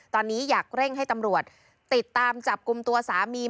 ตอนนี้อยากเร่งให้ตำรวจติดตามจับกลุ่มตัวสามี